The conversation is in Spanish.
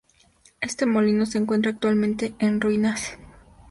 Este molino se encuentra actualmente en ruinas.